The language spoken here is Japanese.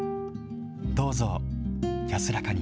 どうぞ安らかに。